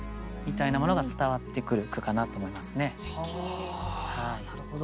あなるほど。